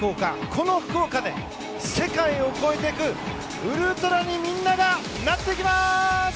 この福岡で世界を超えていくウルトラにみんながなっていきます！